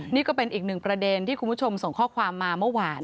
นี่ก็เป็นอีกหนึ่งประเด็นที่คุณผู้ชมส่งข้อความมาเมื่อวาน